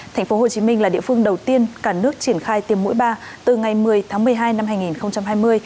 thành phố hồ chí minh là địa phương đầu tiên cả nước triển khai tiêm mũi ba từ ngày một mươi tháng một mươi hai năm hai nghìn hai mươi